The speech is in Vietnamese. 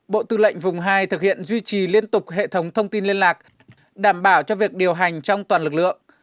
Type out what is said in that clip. bộ tư lệnh vùng hai thực hiện duy trì liên tục hệ thống thông tin liên lạc đảm bảo cho việc điều hành trong toàn lực lượng